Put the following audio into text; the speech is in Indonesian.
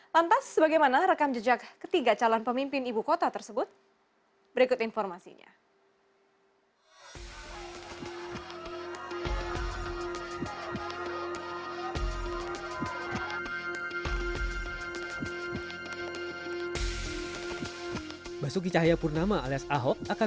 lantas bagaimana rekam jejak ketiga calon pemimpin ibu kota tersebut berikut informasinya